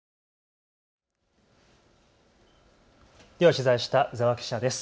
取材した鵜澤記者です。